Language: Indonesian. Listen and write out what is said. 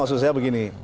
maksud saya begini